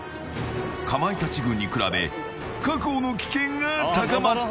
かまいたち軍に比べ確保の危険が高まった。